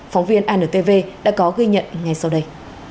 phóng viên antv đã có ghi nhận ngay sau đây